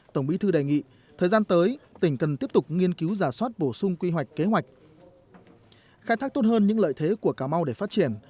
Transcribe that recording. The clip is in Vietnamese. tổng bí thư đề nghị thời gian tới tỉnh cần tiếp tục nghiên cứu giả soát bổ sung quy hoạch kế hoạch khai thác tốt hơn những lợi thế của cà mau để phát triển